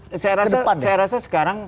ke depan ya saya rasa sekarang